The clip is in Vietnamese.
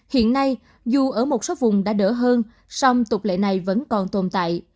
hiện nay dù ở một số vùng đã đỡ hơn song tục lệ này vẫn còn tồn tại